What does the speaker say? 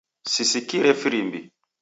Sisikire firimbi